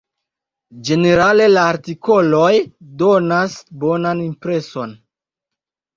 Ĝenerale la artikoloj donas bonan impreson.